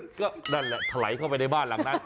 ก็นั่นแหละถลายเข้าไปในบ้านหลังนั้น